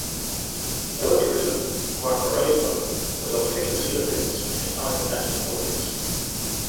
Workerism, or operaismo, was of particular significance in Italian left politics.